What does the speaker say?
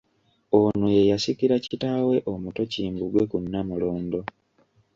Ono ye yasikira kitaawe omuto Kimbugwe ku Nnamulondo.